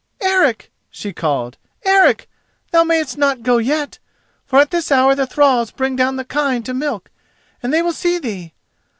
"Eric!" she called. "Eric! thou mayest not go yet: for at this hour the thralls bring down the kine to milk, and they will see thee.